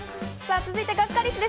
続いてスッキりすです。